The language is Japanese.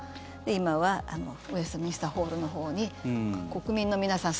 今はウェストミンスターホールのほうに国民の皆さん